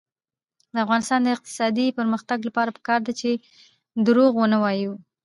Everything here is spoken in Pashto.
د افغانستان د اقتصادي پرمختګ لپاره پکار ده چې دروغ ونه وایو.